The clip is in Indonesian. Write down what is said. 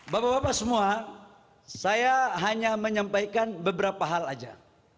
bapak bapak semua saya hanya menyampaikan beberapa hal saja